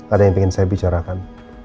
ada yang ingin saya bicarakan